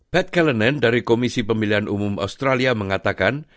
pat callanan dari komisi pemilihan umum australia mengatakan